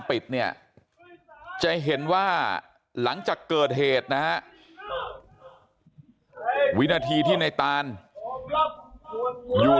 ปิดเนี่ยจะเห็นว่าหลังจากเกิดเหตุนะฮะวินาทีที่ในตานอยู่